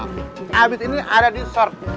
habis ini ada dessert